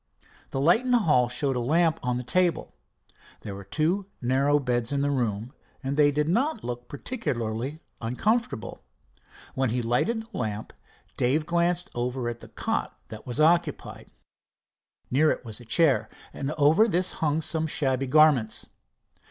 The light in the hall showed a lamp on a table. There were two narrow beds in the room, and they did not look particularly uncomfortable. When he lighted the lamp, Dave glanced over at the cot that was occupied. Near it was a chair, and over this hung some shabby garments.